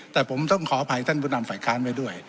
แต่ผมต้องขออภัยท่านผู้นำฝ่ายค้านไว้ด้วย